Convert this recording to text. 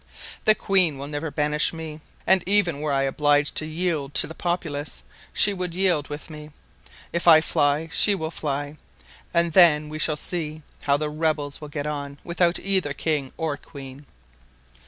The queen will never banish me, and even were I obliged to yield to the populace she would yield with me; if I fly, she will fly; and then we shall see how the rebels will get on without either king or queen.